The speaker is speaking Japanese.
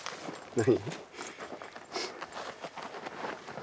何？